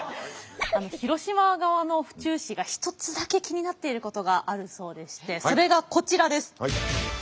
広島側の府中市が一つだけ気になっていることがあるそうでしてそれがこちらです。